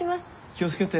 気を付けて。